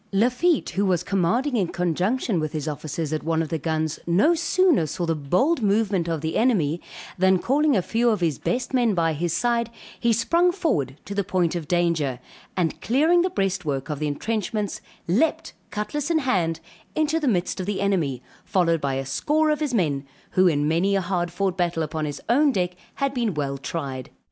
Lafitte, who was commanding in conjunction with his officers, at one of the guns, no sooner saw the bold movement of the enemy, than calling a few of his best men by his side, he sprung forward to the point of danger, and clearing the breastwork of the entrenchments, leaped, cutlass in hand, into the midst of the enemy, followed by a score of his men, who in many a hard fought battle upon his own deck, had been well tried.